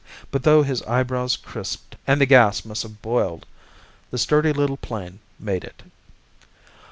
But though his eyebrows crisped and the gas must have boiled, the sturdy little plane made it.